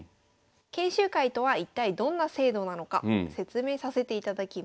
研修会とは一体どんな制度なのか説明させていただきます。